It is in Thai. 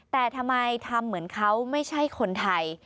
แต่ทำไมทำเหมือนเขาไม่ใช่คนไทย